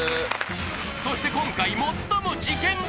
そして今回最も事ケンだ！